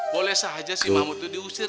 boleh saja si mahmud tuh diusir